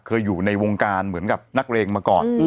เคยอยู่ในวงการเหมือนกับนักเลงมาก่อน